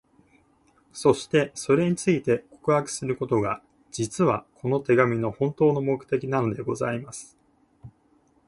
そして、それについて、告白することが、実は、この手紙の本当の目的なのでございます。